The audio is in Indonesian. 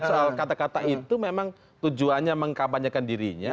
soal kata kata itu memang tujuannya mengkabanyakan dirinya